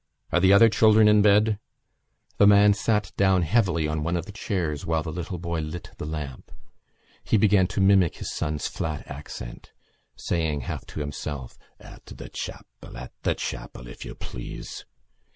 Are the other children in bed?" The man sat down heavily on one of the chairs while the little boy lit the lamp. He began to mimic his son's flat accent, saying half to himself: _"At the chapel. At the chapel, if you please!"